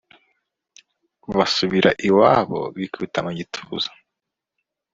basubira iwabo bikubita mu gituza